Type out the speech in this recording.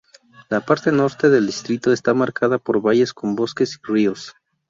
La parte norte del distrito está marcada por valles con bosques y ríos.